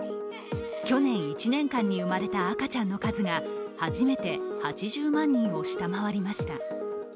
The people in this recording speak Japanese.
去年１年間に生まれた赤ちゃんの数が初めて８０万人を下回りました。